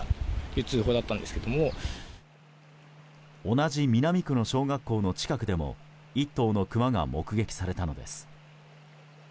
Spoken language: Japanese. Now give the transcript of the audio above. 同じ南区の小学校の近くでも１頭のクマが目撃されたのです。